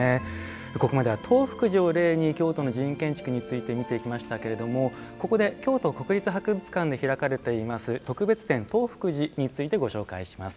ここまでは東福寺を例に京都の寺院建築について見てきましたけれども、ここで京都国立博物館で開かれています「特別展・東福寺」についてご紹介します。